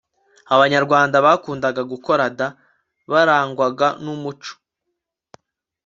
abanyarwanda bakundaga gukorada barangwaga n'umuco